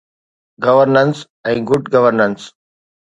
Governance ۽ good governance.